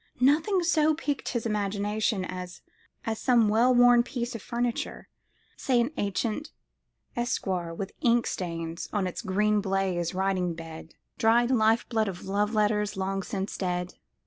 Nothing so piqued his imagination as some well worn piece of furniture—say an ancient escritoire with ink stains on its green baize writing bed (dried life blood of love letters long since dead!)